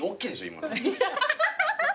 今の。